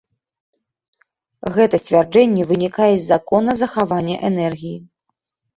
Гэта сцвярджэнне вынікае з закона захавання энергіі.